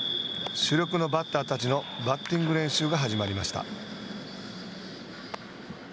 主力のバッターたちのバッティング練習が始まりました。